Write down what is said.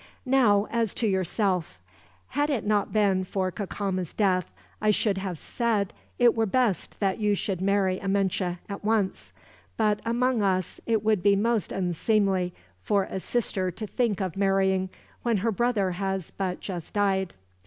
"Now, as to yourself. Had it not been for Cacama's death, I should have said it were best that you should marry Amenche, at once; but among us, it would be most unseemly for a sister to think of marrying, when her brother has but just died."